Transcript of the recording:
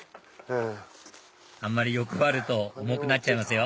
あんまり欲張ると重くなっちゃいますよ